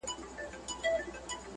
دا خبره جوته بویه چې د ښه پنځګر